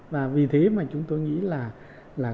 và vì thế mà chúng tôi nghĩ là